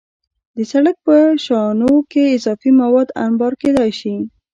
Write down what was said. د سړک په شانو کې اضافي مواد انبار کېدای شي